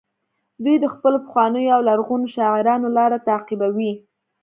دوی د خپلو پخوانیو او لرغونو شاعرانو لاره تعقیبوي